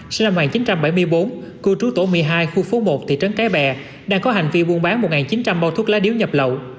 sinh năm một nghìn chín trăm bảy mươi bốn cư trú tổ một mươi hai khu phố một thị trấn cái bè đang có hành vi buôn bán một chín trăm linh bao thuốc lá điếu nhập lậu